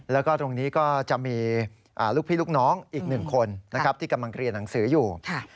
แล้วก็ตรงนี้ก็จะมีลูกพี่ลูกน้องอีก๑คนนะครับที่กำลังเรียนหนังสืออยู่